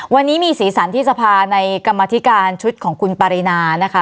วันนี้มีสีสันที่สภาในกรรมธิการชุดของคุณปรินานะคะ